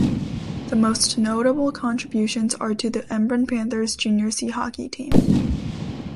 The most notable contributions are to the Embrun Panthers Junior C hockey team.